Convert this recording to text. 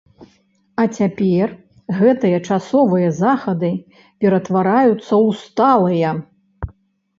А цяпер гэтыя часовыя захады ператвараюцца ў сталыя.